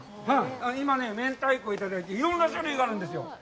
今、明太子いただいて、いろんな種類があるんですよ。